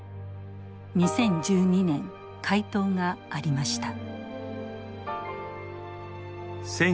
２０１２年回答がありました。